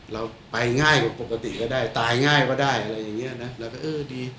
เราไปง่ายกว่าปกติก็ได้ตายง่ายก็ได้อะไรอย่างเงี้ยนะเราก็เออดี